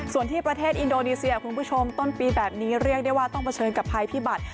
ส่วนที่ประเทศอินโดนีเซียคุณผู้ชมต้นปีแบบนี้เรียกได้ว่าต้องเผชิญกับภัยพิบัติ